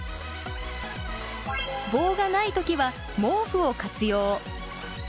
棒がないときは毛布を活用。